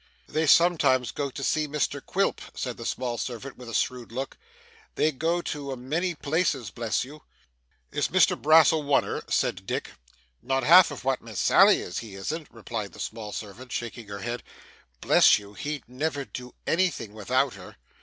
'They sometimes go to see Mr Quilp,' said the small servant with a shrewd look; 'they go to a many places, bless you!' 'Is Mr Brass a wunner?' said Dick. 'Not half what Miss Sally is, he isn't,' replied the small servant, shaking her head. 'Bless you, he'd never do anything without her.